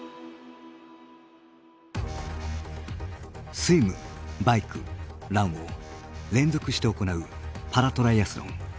スイムバイクランを連続して行うパラトライアスロン。